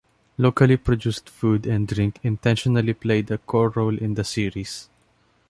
Locally produced food and drink intentionally played a core role in the series.